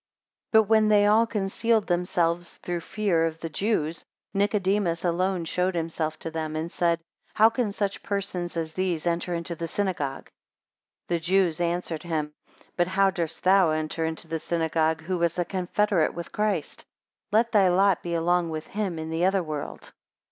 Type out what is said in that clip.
2 But when they all concealed themselves through fear of the Jews, Nicodemus alone showed himself to them, and said, How can such persons as these enter into the synagogue? 3 The Jews answered him, But how durst thou enter into the synagogue, who wast a confederate with Christ? Let thy lot be along with him in the other world.